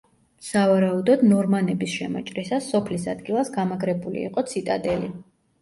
სავარაუდოდ, ნორმანების შემოჭრისას სოფლის ადგილას გამაგრებული იყო ციტადელი.